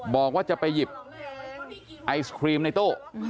บอกว่าจะไปหยิบไอศครีมในตู้